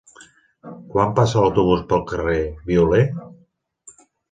Quan passa l'autobús pel carrer Violer?